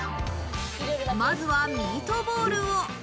まずはミートボールを。